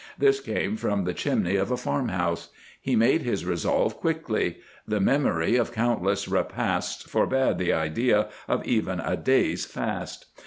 This came from the chimney of a farm house. He made his resolve quickly. The memory of countless repasts forbade the idea of even a day's fast.